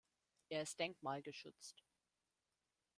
Er ist denkmalgeschützt.